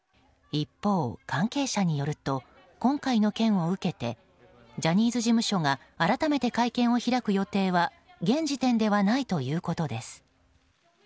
一方、関係者によると今回の件を受けてジャニーズ事務所が改めて会見を開く予定は現時点ではないということです。